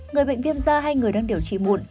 người bệnh viêm da hay người đang điều trị muộn